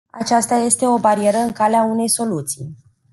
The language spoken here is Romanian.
Aceasta este o barieră în calea unei soluții.